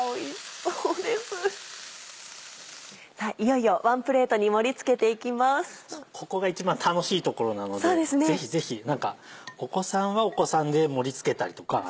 そうここが一番楽しいところなのでぜひぜひお子さんはお子さんで盛り付けたりとか。